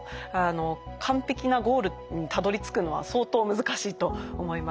完璧なゴールにたどりつくのは相当難しいと思います。